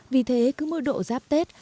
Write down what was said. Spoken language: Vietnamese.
vì thế cứ mỗi độ giáp tết